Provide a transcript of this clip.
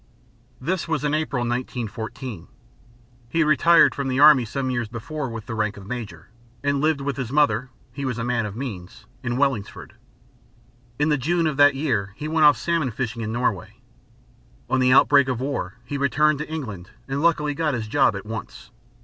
This was in April, 1914. He had retired from the Army some years before with the rank of Major, and lived with his mother he was a man of means in Wellingsford. In the June of that year he went off salmon fishing in Norway. On the outbreak of war he returned to England and luckily got his job at once.